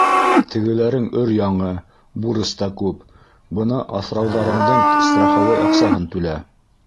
Тегеләрең өр-яңы, бурыс та күп, бына аҫрауҙарыңдың страховой аҡсаһын түлә.